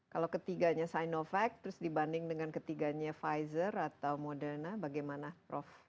kalau ketiganya sinovac terus dibanding dengan ketiganya pfizer atau moderna bagaimana prof